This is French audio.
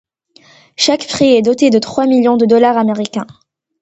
Chaque prix est doté de trois millions de dollars américains.